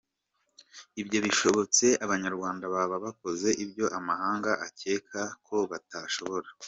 Ibyo bishobotse, abanyarwanda baba bakoze ibyo amahanga akeka ko batashobora.